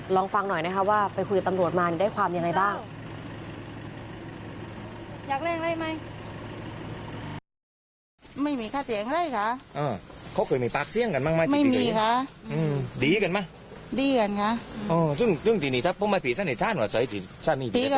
ลองฟังหน่อยนะคะว่าไปคุยกับตำรวจมาได้ความยังไงบ้าง